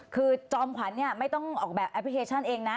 คือจอมขวัญไม่ต้องออกแบบแอปพลิเคชันเองนะ